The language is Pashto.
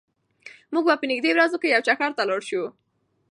موږ به په نږدې ورځو کې یو چکر ته لاړ شو.